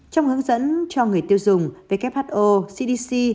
trong hướng dẫn cho người tiêu dùng who cdc